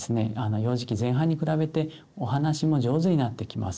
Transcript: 幼児期前半に比べてお話も上手になってきます。